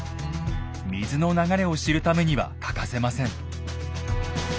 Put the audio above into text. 水の流れを知るためには欠かせません。